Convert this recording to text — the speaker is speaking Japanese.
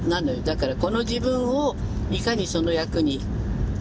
だからこの自分をいかにその役に近づけるかと。